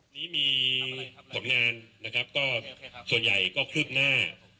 นี่มีผลงานส่วนใหญ่ก็คลึกหน้า